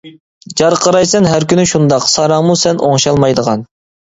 جارقىرايسەن ھەر كۈنى شۇنداق، ساراڭمۇ سەن ئوڭشالمايدىغان.